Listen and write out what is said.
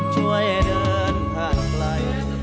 ช่วยเดินทางไกล